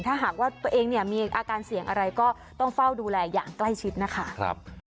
ถ้าหากว่าตัวเองเนี่ยมีอาการเสี่ยงอะไรก็ต้องเฝ้าดูแลอย่างใกล้ชิดนะคะ